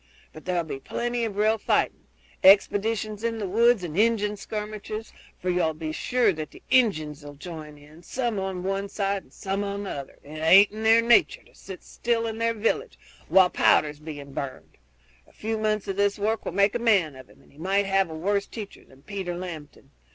But there 'll be plenty of real fighting expeditions in the woods and Injun skirmishes, for you'll be sure that the Injuns'll join in, some on one side and some on the other; it aint in their nature to sit still in their villages while powder's being burned. A few months of this work will make a man of him, and he might have a worse teacher than Peter Lambton.